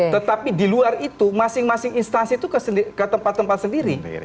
tetapi di luar itu masing masing instansi itu ke tempat tempat sendiri